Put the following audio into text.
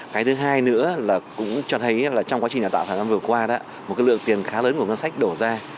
cái thứ hai nữa là cũng cho thấy trong quá trình đào tạo tháng năm vừa qua một lượng tiền khá lớn của ngân sách đổ ra